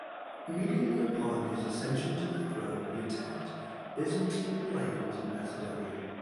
Immediately upon his accession to the throne he attacked Byzantine lands in Macedonia.